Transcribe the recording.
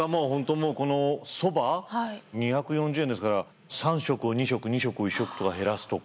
もうこのそば２４０円ですから３食を２食２食を１食と減らすとか。